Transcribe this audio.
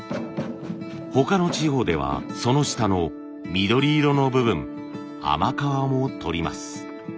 他の地方ではその下の緑色の部分「甘皮」も取ります。